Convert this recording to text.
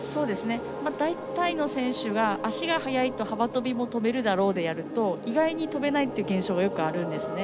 大体の選手が、足が速いと幅跳びも跳べるだろうでやると、意外に跳べないという現象がよくあるんです。